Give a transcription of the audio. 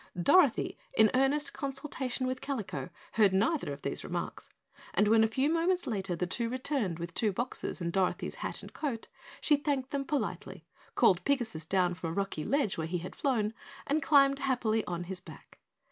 Dorothy, in earnest consultation with Kalico, heard neither of these remarks, and when a few moments later the two returned with two boxes and Dorothy's hat and coat, she thanked them politely, called Pigasus down from a rocky ledge where he had flown and climbed happily on his back.